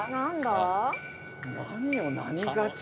何を何がち。